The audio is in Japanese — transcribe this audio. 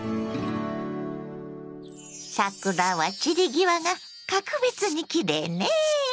桜は散り際が格別にきれいね！